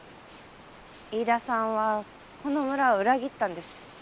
飯田さんはこの村を裏切ったんです。